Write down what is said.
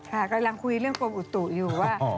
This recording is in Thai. กำลังคุยเรื่องโว่นอุดตุอยู่กัน